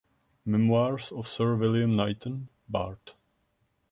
Memoirs of Sir William Knighton, Bart.